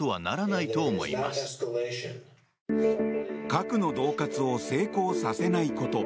核の恫喝を成功させないこと。